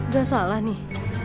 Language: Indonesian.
gak salah nih